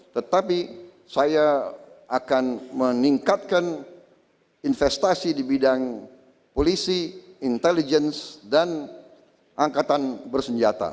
tetapi saya akan meningkatkan investasi di bidang polisi intelligence dan angkatan bersenjata